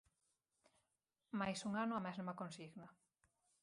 Máis un ano a mesma consigna.